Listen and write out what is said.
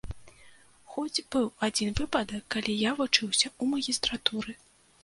Хоць быў адзін выпадак, калі я вучыўся ў магістратуры.